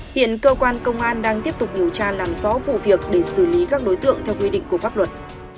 hiện cơ quan công an đang tiếp tục điều tra làm rõ vụ việc để xử lý các đối tượng theo quy định của pháp luật